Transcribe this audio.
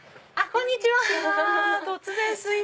こんにちは。